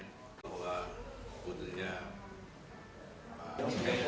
dan menyebarkan kegagalan sekalian